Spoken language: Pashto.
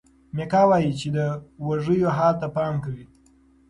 میکا وایي چې د وږیو حال ته پام کوي.